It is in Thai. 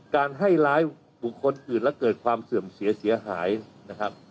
การให้ร้ายบุคคลอื่นและเกิดความเสื่อมเสียเสียหายนะครับ